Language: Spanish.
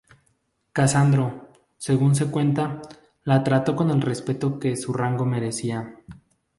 Casandro, según se cuenta, la trató con el respeto que su rango merecía.